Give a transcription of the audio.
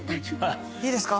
いいですか？